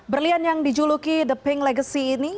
berlian yang dijuluki the pink legacy ini